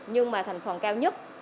nhưng mà thành phần cao nhất